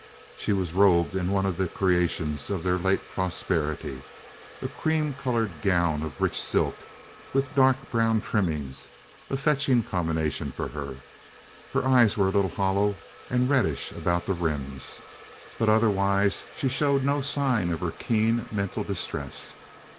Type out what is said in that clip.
She was robed in one of the creations of their late prosperity, a cream colored gown of rich silk, with dark brown trimmings—a fetching combination for her. Her eyes were a little hollow, and reddish about the rims, but otherwise she showed no sign of her keen mental distress.